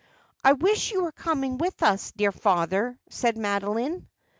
' I wish you were coming with us, dear father, said Mado line.